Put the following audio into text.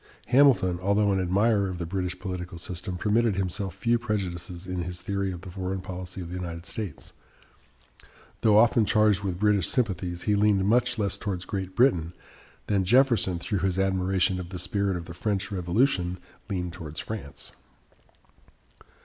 Hamilton, although an admirer of the British political system, permitted himself few prejudices in his theory of the foreign policy of the United States. Though often charged with British sympathies, he leaned much less towards Great Britain than Jefferson, through his admiration of the spirit of the French Revolution, leaned towards France.